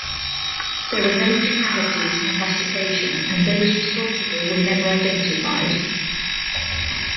There were no fatalities on that occasion and those responsible were never identified.